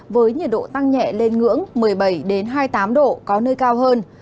với nhiệt độ tăng nhẹ lên ngưỡng một mươi bảy hai mươi tám độ có nơi cao hơn